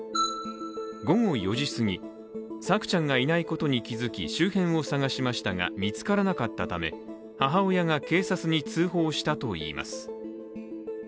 午後４時すぎ、朔ちゃんがいないことに気づき周辺を探しましたが、見つからなかったため、母親が警察に通報したといいます。